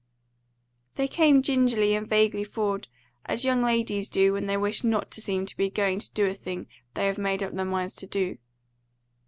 They came gingerly and vaguely forward, as young ladies do when they wish not to seem to be going to do a thing they have made up their minds to do.